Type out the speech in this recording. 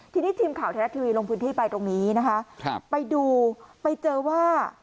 ทีนี้ทีมข่าวไทยรัฐทีวีลงพื้นที่ไปตรงนี้นะคะครับไปดูไปเจอว่า